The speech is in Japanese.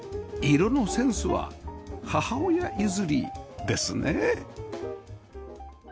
色のセンスは母親譲りですね